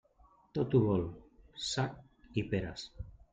Tot ho vol, sac i peres.